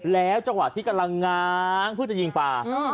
แล้วจังหวะที่กำลังง้างเพื่อจะยิงปลา